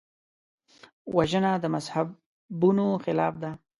وژنه د مذهبونو خلاف ده